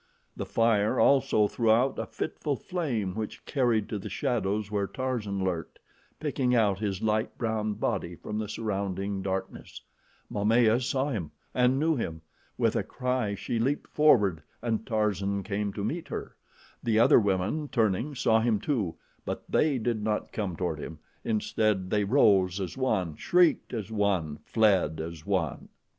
The fire also threw out a fitful flame which carried to the shadows where Tarzan lurked, picking out his light brown body from the surrounding darkness. Momaya saw him and knew him. With a cry, she leaped forward and Tarzan came to meet her. The other women, turning, saw him, too; but they did not come toward him. Instead they rose as one, shrieked as one, fled as one.